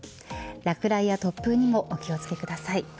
落雷や突風にもお気を付けください。